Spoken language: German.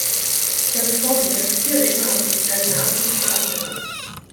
Ich habe vor mir vier Redner aus den skandinavischen Staaten gehabt.